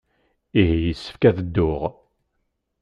Ihi yessefk ad dduɣ.